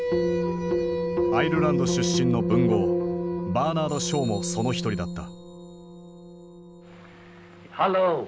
アイルランド出身の文豪バーナード・ショーもその一人だった。